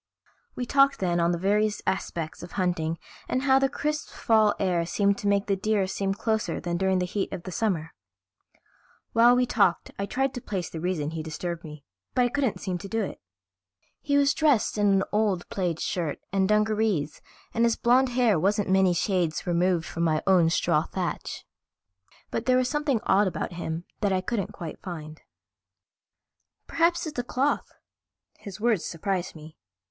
We talked then on the various aspects of hunting and how the crisp fall air seemed to make the deer seem closer than during the heat of summer. While we talked I tried to place the reason he disturbed me, but I couldn't seem to do it. He was dressed in an old plaid shirt and dungarees and his blond hair wasn't many shades removed from my own straw thatch. But there was something odd about him that I couldn't quite find. "Perhaps it's the cloth." His words surprised me.